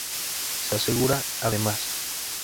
Se asegura, además.